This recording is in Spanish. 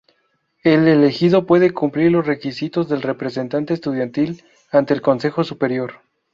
El elegido puede cumplir los requisitos del representante estudiantil ante el Consejo Superior.